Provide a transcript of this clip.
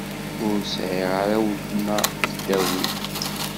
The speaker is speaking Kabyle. Ur sεiɣ ara uletma ddaw-i.